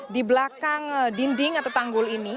di belakang dinding atau tanggul ini